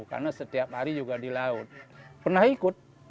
karena setiap hari juga dilahirkan